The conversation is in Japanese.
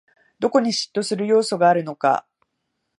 どこに嫉妬する要素があるのか